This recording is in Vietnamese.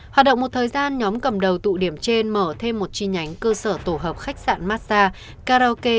hoạt động một thời gian nhóm cầm đầu tụ điểm trên mở thêm một chi nhánh cơ sở tổ hợp khách sạn massage karaoke